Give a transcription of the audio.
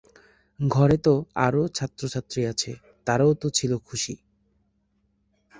ঘরেতে আরও তো ছাত্রী আছে, তারা তো ছিল খুশি।